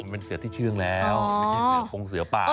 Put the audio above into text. มันเป็นเสือที่ชื่นแล้ว